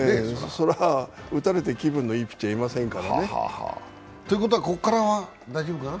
そりゃ打たれて気分のいいピッチャーいませんから。ということは、ここからは大丈夫かな？